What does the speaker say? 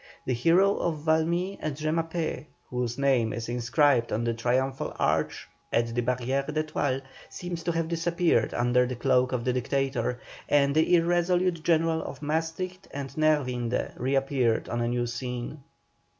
The hero of Valmy and Jemappes, whose name is inscribed on the Triumphal Arch at the Barrière d'Etoile, seems to have disappeared under the cloak of the Dictator, and the irresolute General of Maestrich and Nerwinde reappeared on a new scene.